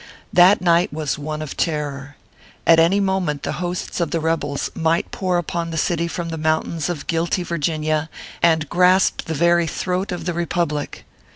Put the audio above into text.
That night was one of terror : at any moment the hosts of the rebels might pour upon the city from the mountains of guilty Virginia, and grasp the very throat of the Republic.